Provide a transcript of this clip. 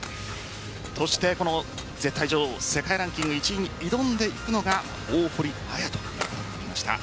そして絶対女王世界ランキング１位に挑んでいくのが大堀彩ということになりました。